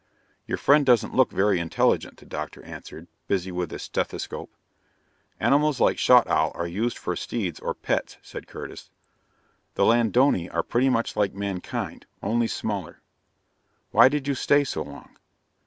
"Your friend doesn't look very intelligent," the doctor answered, busy with his stethoscope. "Animals like Schaughtowl are used for steeds or pets," said Curtis. "The Ladonai are pretty much like mankind, only smaller." "Why did you stay so long?"